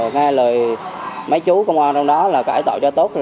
nghe lời mấy chú công an trong đó là cãi tội cho tốt